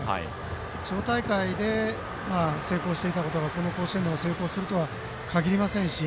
地方大会で成功していたことがこの甲子園でも成功するとは限りませんし。